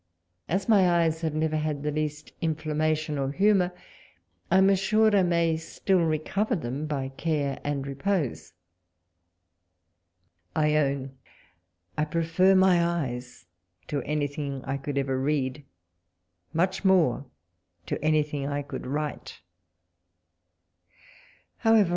As my eyes have never had the least imflammation or humour, I am assured I may still recover them by care and repose. I own I prefer my eyes to anything I could ever read, much more to anything I could write. Howevci', walpole's letters.